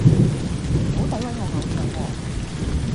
唔好詆毀我偶像喎